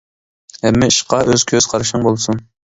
ھەممە ئىشقا ئۆز كۆز قارىشىڭ بولسۇن.